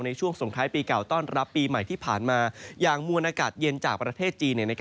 ช่วงสงท้ายปีเก่าต้อนรับปีใหม่ที่ผ่านมาอย่างมวลอากาศเย็นจากประเทศจีน